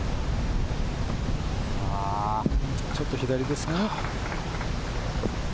ちょっと左ですね。